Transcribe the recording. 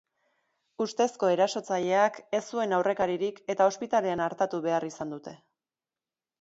Ustezko erasotzaileak ez zuen aurrekaririk eta ospitalean artatu behar izan dute.